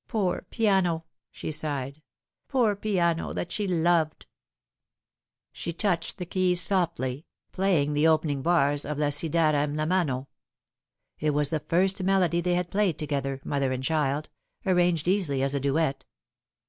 " Poor piano !" she sighed ;" poor piano, that she loved." She touched the keys softly, playing the opening bars of La ci darem la mano. It was the first melody they had played together, mother and child arranged easily as a duet.